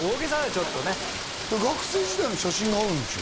ちょっとね学生時代の写真があるんでしょ？